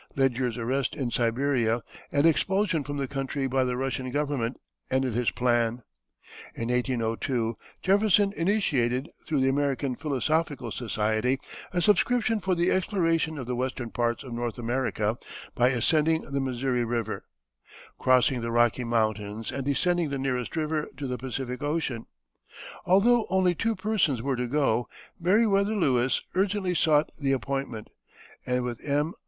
Ledyard's arrest in Siberia and expulsion from the country by the Russian Government ended this plan. In 1802 Jefferson initiated, through the American Philosophical Society, a subscription for the exploration of the western parts of North America, by ascending the Missouri River, crossing the Rocky Mountains, and descending the nearest river to the Pacific Ocean. Although only two persons were to go, Meriwether Lewis urgently sought the appointment, and with M.